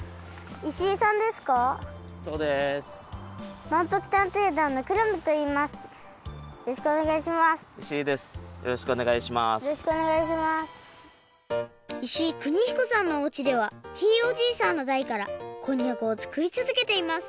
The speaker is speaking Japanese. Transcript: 石井邦彦さんのおうちではひいおじいさんのだいからこんにゃくをつくりつづけています。